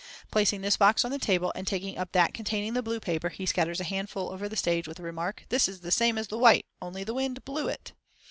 Placing this box on the table, and taking up that containing the blue paper, he scatters a handful over the stage with the remark, "This is the same as the white, only the wind blue it."